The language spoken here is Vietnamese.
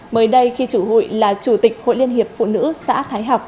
mới đây khi chủ hụi là chủ tịch hội liên hiệp phụ nữ xã thái học